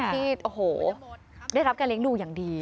ที่โอ้โหได้รับการเลี้ยงดูอย่างดี